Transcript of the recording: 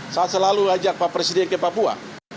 saya selalu ajak pak presiden ke papua